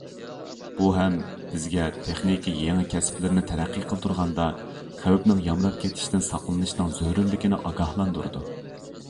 بۇ ھەم بىزگە تېخنىكا يېڭى كەسىپلىرىنى تەرەققىي قىلدۇرغاندا، خەۋپنىڭ يامراپ كېتىشتىن ساقلىنىشنىڭ زۆرۈرلۈكىنى ئاگاھلاندۇرىدۇ.